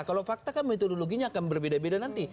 kalau fakta kan metodologinya akan berbeda beda nanti